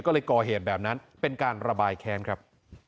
ก็เลยก่อเหตุแบบนั้นเป็นการระบายแค้นครับ